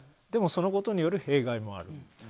でも、そのことによる弊害もある。